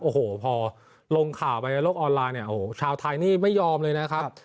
โอ้โหพอลงข่าวไปในโลกออนไลน์เนี่ยโอ้โหชาวไทยนี่ไม่ยอมเลยนะครับ